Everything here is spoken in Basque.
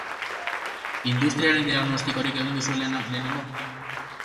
Industriaren diagnostikorik egin duzue lehenengo?